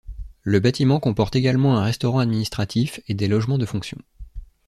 Le bâtiment comporte également un restaurant administratif et des logements de fonction.